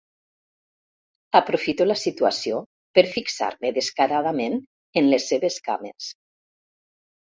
Aprofito la situació per fixar-me descaradament en les seves cames.